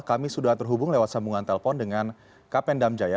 kami sudah terhubung lewat sambungan telpon dengan kapendam jaya